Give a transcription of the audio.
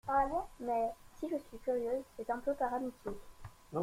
Mais, si je suis curieuse, c'est un peu par amitié.